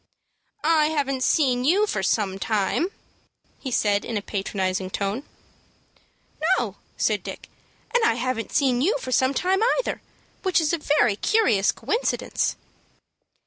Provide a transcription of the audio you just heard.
"I haven't seen you for some time," he said, in a patronizing tone. "No," said Dick, "and I haven't seen you for some time either, which is a very curious coincidence."